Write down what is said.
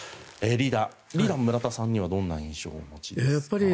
リーダーも村田さんにはどんな印象をお持ちですか？